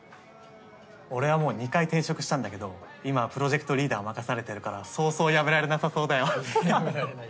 俺はもう２回転職したんだけど今はプロジェクトリーダーを任されてるからそうそう辞められなさそうだよ。ははっ辞められない。